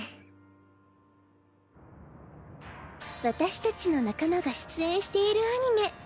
私たちの仲間が出演しているアニメ